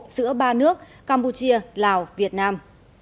giữa ba nước campuchia lào việt nam